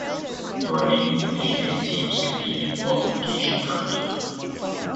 The remaining Division A teams compete in a qualification tournament.